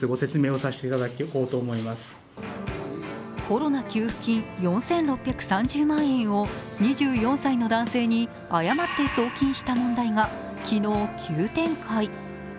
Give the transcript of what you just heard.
コロナ給付金４６３０万円を２４歳の男性に誤って送金した問題が昨日、急展開